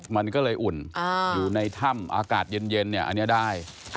มันก็เลยอุ่นอยู่ในถ้ำอากาศเย็นเนี่ยอันนี้ได้